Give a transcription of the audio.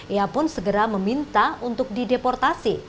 ia pun segera meminta untuk dideportasi